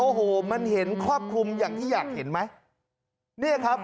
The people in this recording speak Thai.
โอ้โหมันเห็นครอบคลุมอย่างที่อยากเห็นไหมเนี่ยครับ